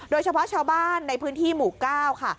โดยเฉพาะชาวบ้านในพื้นที่หมู่๙ค่ะ